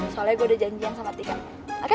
soalnya gue udah janjian sama tika